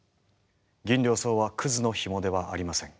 ギンリョウソウはクズのヒモではありません。